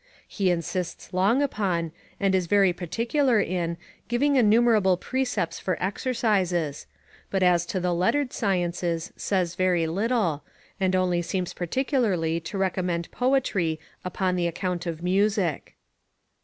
He insists long upon, and is very particular in, giving innumerable precepts for exercises; but as to the lettered sciences, says very little, and only seems particularly to recommend poetry upon the account of music.